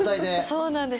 そうなんです。